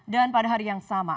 dan pada hari yang sama